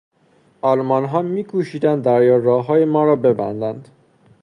آلمانها میکوشیدند دریاراههای ما را ببندند.